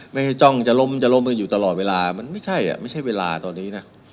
ไม่ให้จ้องจะล้มจะล้มกันอยู่ตลอดเวลามันไม่ใช่ไม่ใช่เวลาตอนนี้นะ